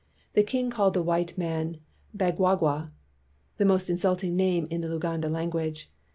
The king called the white men "bagwagwa," the most insulting name in the Luganda language.